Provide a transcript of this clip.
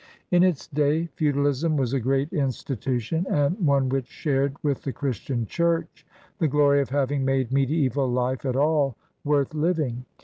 In its day feudalism was a great institution and one which shared with the Christian Church the glory of having made mediaeval life at all worth living.